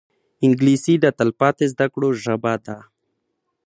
انګلیسي د تلپاتې زده کړو ژبه ده